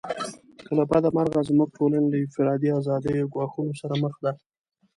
له بده مرغه زموږ ټولنه له انفرادي آزادیو ګواښونو سره مخ ده.